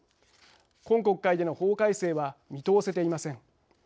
今国会での法改正は見通せていません。